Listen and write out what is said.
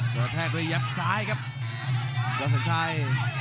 กระแทกด้วยยับซ้ายครับยอดสนชัย